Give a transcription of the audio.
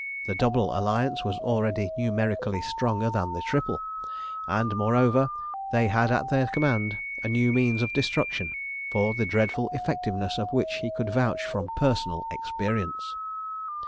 The Double Alliance was already numerically stronger than the Triple, and, moreover, they had at their command a new means of destruction, for the dreadful effectiveness of which he could vouch from personal experience.